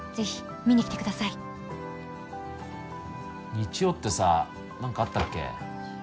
日曜ってさ何かあったっけ？